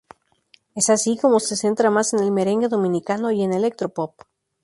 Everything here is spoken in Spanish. Es así como se centra más en el merengue dominicano y en electro pop.